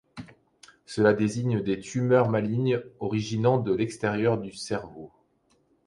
Cela désigne des tumeurs malignes originant de l'extérieur du cerveau.